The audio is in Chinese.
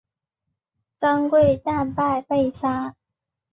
张贵战败被杀。